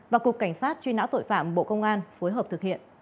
và cục cảnh sát truy nã tội phạm bộ công an phối hợp thực hiện